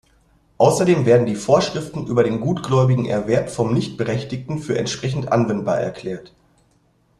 Außerdem werden die Vorschriften über den gutgläubigen Erwerb vom Nichtberechtigten für entsprechend anwendbar erklärt.